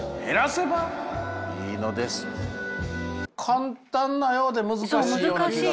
簡単なようで難しいような気がする。